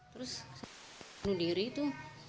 terus bunuh diri itu